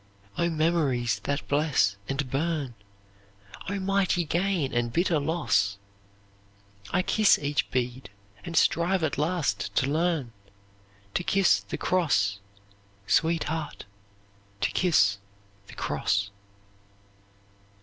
"'O memories that bless and burn! Oh mighty gain and bitter loss! I kiss each bead and strive at last to learn To kiss the cross, Sweet heart, To kiss the cross.'"